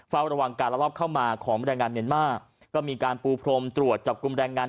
ระวังการละรอบเข้ามาของแรงงานเมียนมาร์ก็มีการปูพรมตรวจจับกลุ่มแรงงาน